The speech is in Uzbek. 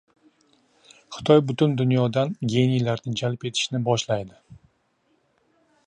Xitoy butun dunyodan geniylarni jalb etishni boshlaydi